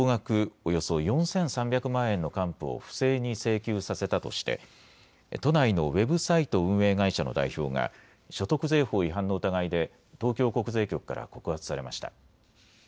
およそ４３００万円の還付を不正に請求させたとして都内のウェブサイト運営会社の代表が所得税法違反の疑いで東京国税局から告発されました。